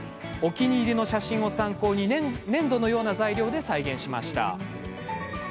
お気に入りの写真を参考に髪を粘土のような材料で再現しました。